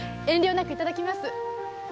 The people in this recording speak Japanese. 遠慮なくいただきます。